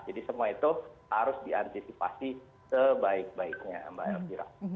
jadi semua itu harus diantisipasi sebaik baiknya mbak elvira